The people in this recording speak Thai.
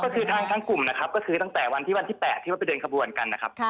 ก็คือทั้งกลุ่มนะครับก็คือตั้งแต่วันที่วันที่๘ที่ว่าไปเดินขบวนกันนะครับ